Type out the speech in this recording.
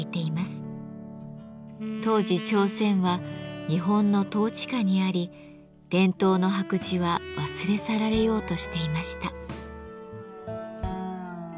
当時朝鮮は日本の統治下にあり伝統の白磁は忘れ去られようとしていました。